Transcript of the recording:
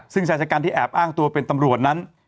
ซึ่งชายชะกันที่แอบอ้างตัวเป็นตำรวจนั้น